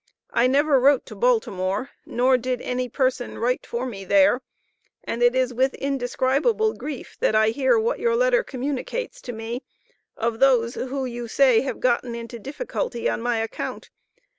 I never wrote to Baltimore, nor did any person write for me there, and it is with indescribable grief, that I hear what your letter communicates to me, of those who you say have gotten into difficulty on my account.